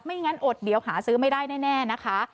งั้นอดเดี๋ยวหาซื้อไม่ได้แน่นะคะ